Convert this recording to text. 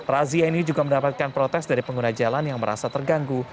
razia ini juga mendapatkan protes dari pengguna jalan yang merasa terganggu